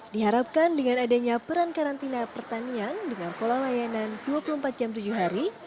diharapkan dengan adanya peran karantina pertanian dengan pola layanan dua puluh empat jam tujuh hari